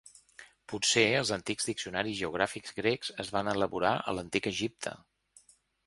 Potser els antics diccionaris geogràfics grecs es van elaborar a l'antic Egipte.